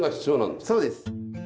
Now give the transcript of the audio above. そうです。